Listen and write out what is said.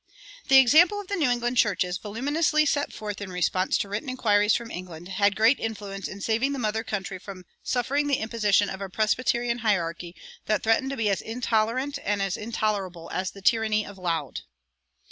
The example of the New England churches, voluminously set forth in response to written inquiries from England, had great influence in saving the mother country from suffering the imposition of a Presbyterian hierarchy that threatened to be as intolerant and as intolerable as the tyranny of Laud.